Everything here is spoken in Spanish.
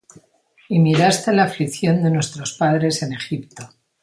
Y miraste la aflicción de nuestos padres en Egipto,